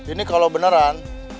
ini kalau beneran